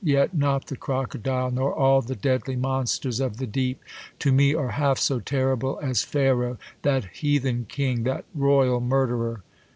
Yet net the crocodile^ Nor all the deadly monsters of the deep, To me are half so terrible as Pharaoh, That heathen king, that royal murderer